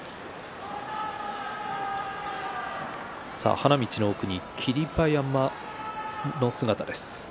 花道の奥に霧馬山の姿です。